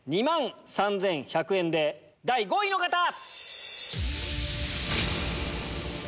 ２万３１００円で第５位の方！